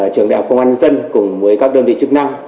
trường đại học công an nhân dân cùng với các đơn vị chức năng